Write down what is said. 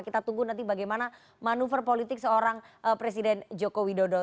kita tunggu nanti bagaimana manuver politik seorang presiden joko widodo